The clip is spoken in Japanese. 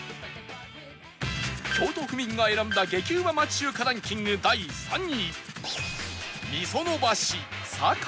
京都府民が選んだ激うま町中華ランキング第３位